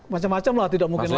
macam macam lah tidak mungkin lagi